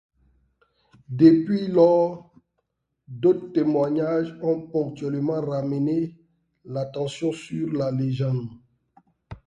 Depuis lors, d'autres témoignages ont ponctuellement ramené l'attention sur la légende.